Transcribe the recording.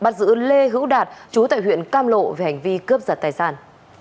từ lê hữu đạt chú tại huyện cam lộ về hành vi cướp giật tài sản